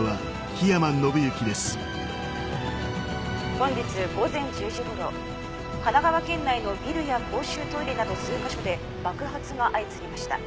本日午前１０時頃神奈川県内のビルや公衆トイレなど数か所で爆発が相次ぎました。